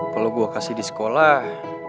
kalau gue kasih di sekolah